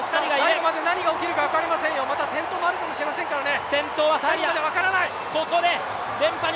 最後まで何があるかわかりませんよ、また転倒があるかもしれませんからね！